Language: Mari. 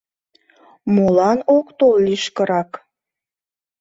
Молан ок тол лишкырак?..